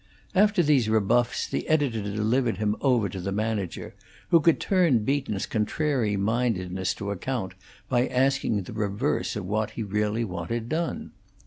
After these rebuffs, the editor delivered him over to the manager, who could turn Beaton's contrary mindedness to account by asking the reverse of what he really wanted done.